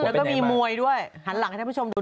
แล้วก็มีมวยด้วยหันหลังให้ท่านผู้ชมดู